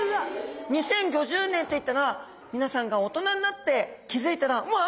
２０５０年っていったらみなさんが大人になって気付いたらうわ！